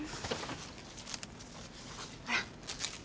ほら